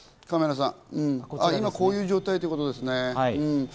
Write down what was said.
今、こういう状態ということですね。